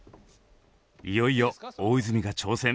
いよいよ大泉が挑戦。